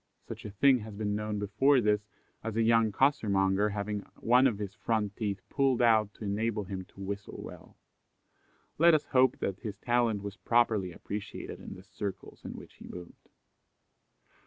Such a thing has been known before this, as a young costermonger having one of his front teeth pulled out to enable him to whistle well. Let us hope that his talent was properly appreciated in the circles in which he moved.